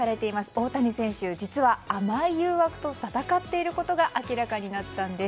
大谷選手、実は甘い誘惑と戦っていることが明らかになったんです。